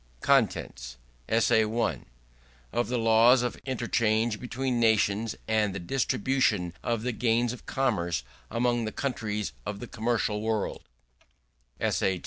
CONTENTS. ESSAY I. Of the Laws of Interchange between Nations; and the Distribution of the Gains of Commerce among the Countries of the Commercial World ESSAY II.